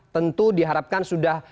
tentu diharapkan sudah